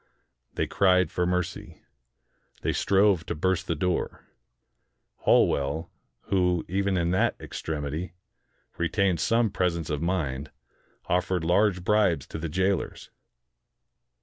They cried for mercy. They strove to burst the door. Holwell, who, even in that ex tremity, retained some presence of mind, offered large bribes to the jailers.